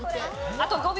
あと５秒。